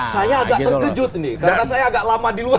saya agak terkejut nih karena saya agak lama di luar